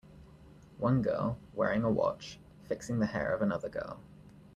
One girl, wearing a watch, fixing the hair of another girl.